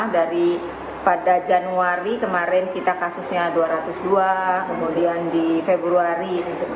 dari pada januari kemarin kita kasusnya dua ratus dua kemudian di februari tiga ratus dua puluh delapan